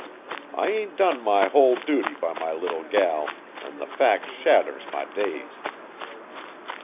I ain't done my whole duty by my little gal, an' the fact shadders my days."